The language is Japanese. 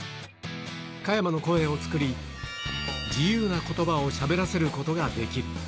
加山の声を作り、自由なことばをしゃべらせることができる。